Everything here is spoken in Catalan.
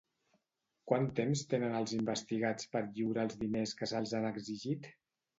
Quant temps tenen els investigats per lliurar els diners que se'ls han exigit?